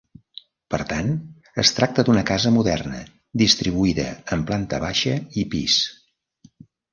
Per tant, es tracta d'una casa moderna, distribuïda en planta baixa i pis.